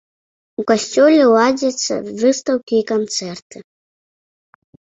У касцёле ладзяцца выстаўкі і канцэрты.